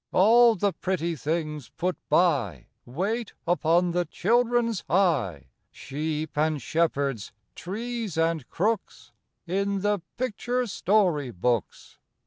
All the pretty things put by, Wait upon the children's eye, Sheep and shepherds, trees and crooks, In the picture story books.